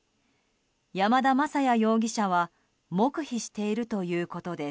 山田雅也容疑者は黙秘しているということです。